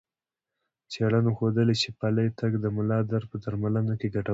څېړنو ښودلي چې پلی تګ د ملا درد په درملنه کې ګټور دی.